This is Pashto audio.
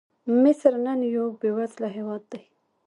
مصر نن یو بېوزله هېواد دی.